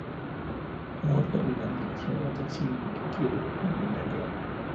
Murió de inanición durante el Sitio de Leningrado.